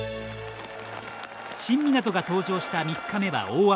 新湊が登場した３日目は大雨。